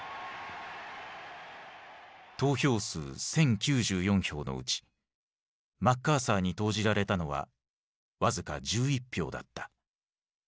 投票数１，０９４票のうちマッカーサーに投じられたのは僅か１１票だった。